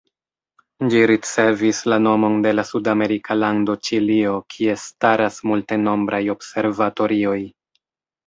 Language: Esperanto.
Ĝi ricevis la nomon de la sud-amerika lando Ĉilio, kie staras multenombraj observatorioj.